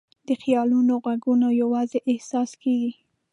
د خیالونو ږغونه یواځې احساس کېږي.